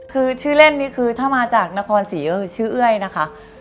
คือชื่อเล่นนี่คือถ้ามาจากนครศรีก็คือชื่อเอ้ยนะคะ